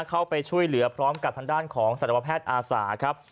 เข้าไปช่วยเหลือพร้อมกับทางด้านของสัตวแพทย์อาสาครับ